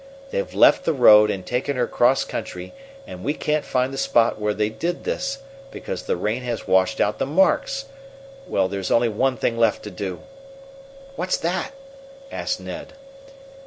"They've left the road and taken her cross country, and we can't find the spot where they did this because the rain has washed out the marks. Well, there's only one thing left to do." "What's that?" asked Ned.